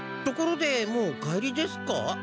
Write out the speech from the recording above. ところでもうお帰りですか？